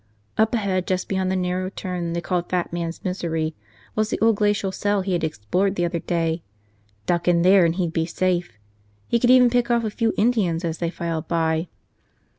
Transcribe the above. Up ahead, just beyond the narrow turn they called Fat Man's Misery, was the old glacial cell he had explored the other day. Duck in there and he'd be safe. He could even pick off a few Indians as they filed by.